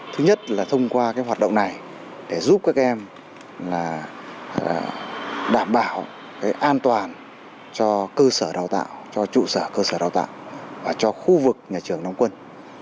thứ nhất là thông qua hoạt động này để giúp các em đảm bảo an toàn cho cơ sở đào tạo cho trụ sở cơ sở đào tạo và cho khu vực nhà trường đóng quân